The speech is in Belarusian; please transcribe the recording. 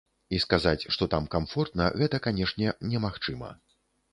І сказаць, што там камфортна гэта, канешне, немагчыма.